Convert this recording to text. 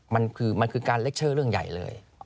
มันคือการเล็กเชิ้ลเรื่องใหญ่เลย